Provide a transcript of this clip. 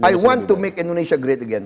i want to make indonesia great again